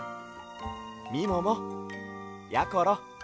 みももやころ